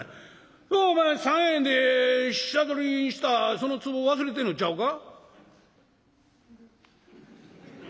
そりゃお前３円で下取りしたそのつぼ忘れてんのちゃうか？」。